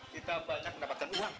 kita banyak mendapatkan uang